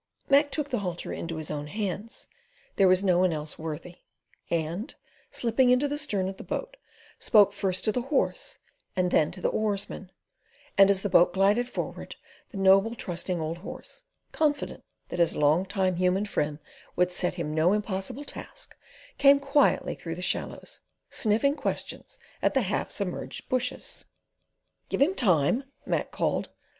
Mac took the halter into his own hands there was no one else worthy—and, slipping into the stern of the boat, spoke first to the horse and then to the oarsmen; and as the boat glided forward, the noble, trusting old horse—confident that his long tried human friend would set him no impossible task—came quietly through the shallows, sniffing questions at the half submerged bushes. "Give him time!" Mac called.